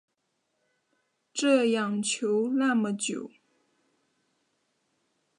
这样求那么久